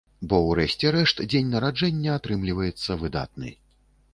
Бо ў рэшце рэшт дзень нараджэння атрымліваецца выдатны.